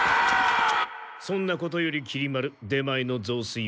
そんなことよりきり丸出前のぞうすいは？